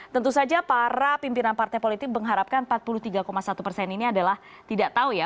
tentu saja para pimpinan partai politik mengharapkan empat puluh tiga satu persen ini adalah tidak tahu ya